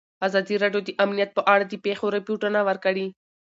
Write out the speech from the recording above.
ازادي راډیو د امنیت په اړه د پېښو رپوټونه ورکړي.